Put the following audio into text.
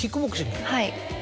はい。